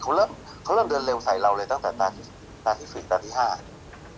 เขาเริ่มเขาเริ่มเดินเร็วใส่เราเลยตั้งแต่ตาสี่สี่ตาสี่สี่ตาสี่ห้า